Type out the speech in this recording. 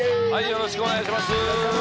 よろしくお願いします。